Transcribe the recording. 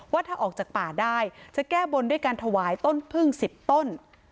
ว่าถ้าออกจากป่าได้จะแก้บนด้วยการถวายต้นพึ่ง๑๐ต้น